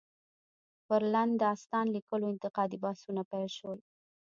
پر لنډ داستان ليکلو انتقادي بحثونه پيل شول.